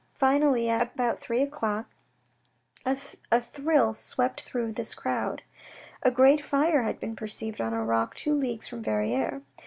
Finally, about three o'clock, a thrill swept through all this crowd. A great fire had been perceived on a rock two leagues from Verrieres.